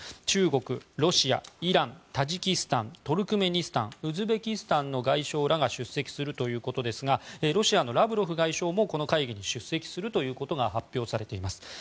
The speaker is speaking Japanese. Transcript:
中国、ロシアイラン、タジキスタントルクメニスタンウズベキスタンの外相らが出席するということですがロシアのラブロフ外相もこの会議に出席するということが発表されています。